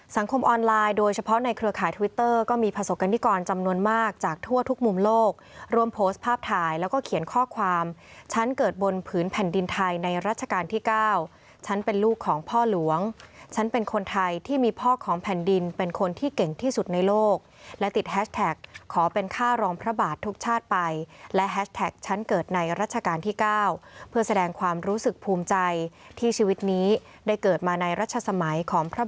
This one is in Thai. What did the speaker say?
สังคมออนไลน์โดยเฉพาะในเครือข่าวทวิตเตอร์ก็มีผสกกัณฑิกรจำนวนมากจากทั่วทุกมุมโลกรวมโพสต์ภาพถ่ายแล้วก็เขียนข้อความฉันเกิดบนผืนแผ่นดินไทยในรัชกาลที่๙ฉันเป็นลูกของพ่อหลวงฉันเป็นคนไทยที่มีพ่อของแผ่นดินเป็นคนที่เก่งที่สุดในโลกและติดแฮชแท็กขอเป็นข้ารอง